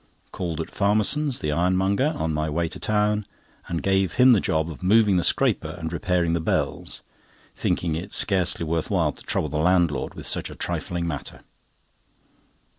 Called at Farmerson's, the ironmonger, on my way to town, and gave him the job of moving the scraper and repairing the bells, thinking it scarcely worth while to trouble the landlord with such a trifling matter.